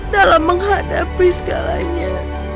dalam menghadapi segalanya